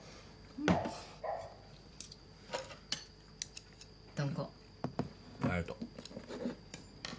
ありがとう。